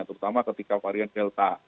terutama ketika varian delta